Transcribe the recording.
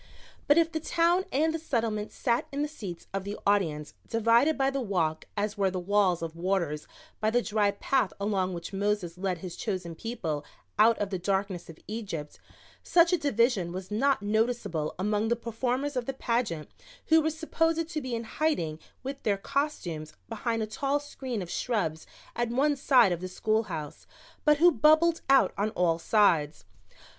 But if the Town and the Settlement sat in the seats of the audience, divided by the walk as were the walls of waters by the dry path along which Moses led his chosen people out of the darkness of Egypt, such a division was not noticeable among the performers of the pageant who were supposed to be in hiding with their costumes behind a tall screen of shrubs at one side of the schoolhouse, but who bubbled out on all sides.